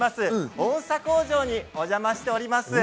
音さ工場にお邪魔しています。